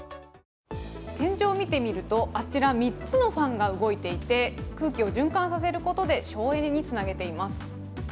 天井を見てみると、あちら３つのファンが動いていて空気を循環させることで、省エネにつなげています。